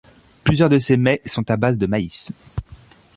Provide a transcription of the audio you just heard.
Plusieurs de ces mets sont à base de maïs.